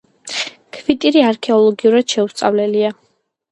ქვიტირი არქეოლოგიურად შეუსწავლელია.